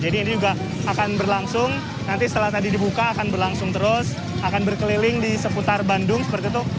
jadi ini juga akan berlangsung nanti setelah tadi dibuka akan berlangsung terus akan berkeliling di seputar bandung seperti itu